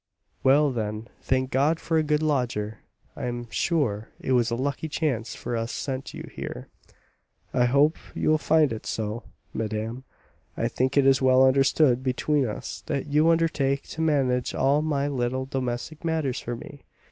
"Well, then, thank God for a good lodger! I am sure it was a lucky chance for us sent you here." "I hope you will find it so, madame. I think it is well understood between us that you undertake to manage all my little domestic matters for me.